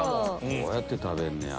そうやって食べんねや。